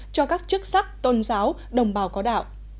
cho các chức sắc tôn giáo đồng bào có đạo